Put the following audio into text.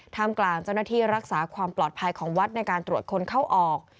กลางเจ้าหน้าที่รักษาความปลอดภัยของวัดในการตรวจคนเข้าออก